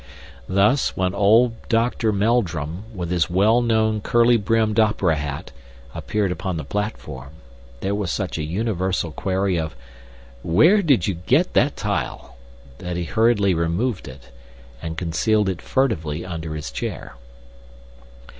Thus, when old Doctor Meldrum, with his well known curly brimmed opera hat, appeared upon the platform, there was such a universal query of "Where DID you get that tile?" that he hurriedly removed it, and concealed it furtively under his chair.